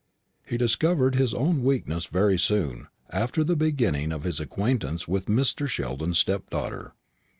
He discovered his own weakness very soon after the beginning of his acquaintance with Mr. Sheldon's stepdaughter.